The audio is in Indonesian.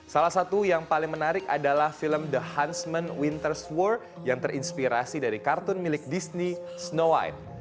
salah satu yang paling menarik adalah film the hansman winters war yang terinspirasi dari kartun milik disney snow white